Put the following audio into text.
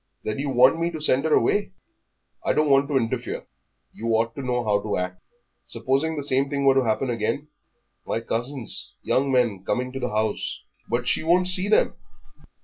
"Then you want me to send her away?" "I don't want to interfere; you ought to know how to act. Supposing the same thing were to happen again? My cousins, young men, coming to the house " "But she won't see them."